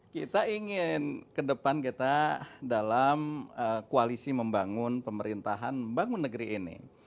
kita ingin ke depan kita dalam koalisi membangun pemerintahan membangun negeri ini